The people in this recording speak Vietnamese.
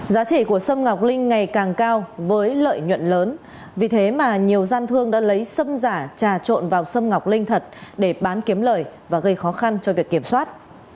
giá trị của sâm ngọc linh ngày càng cao với lợi nhuận lớn vì thế mà nhiều gian thương đã lấy xâm giả trà trộn vào sâm ngọc linh thật để bán kiếm lời và gây khó khăn cho việc kiểm soát